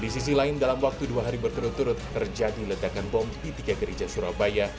di sisi lain dalam waktu dua hari berturut turut terjadi ledakan bom di tiga gereja surabaya